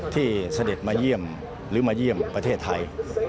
ที่เสด็จมาเยี่ยมประเทศไทย